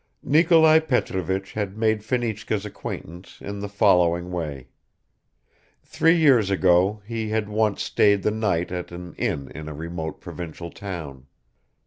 Nikolai Petrovich had made Fenichka's acquaintance in the following way. Three years ago he had once stayed the night at an inn in a remote provincial town.